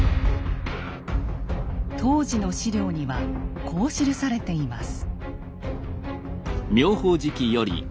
当時の史料にはこう記されています。